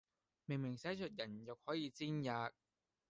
明明寫着人肉可以煎喫；